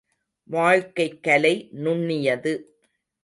வாழ்க்கைக் கலை நுண்ணியது.